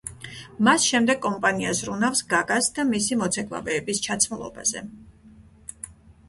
მას შემდეგ კომპანია ზრუნავს გაგას და მისი მოცეკვავეების ჩაცმულობაზე.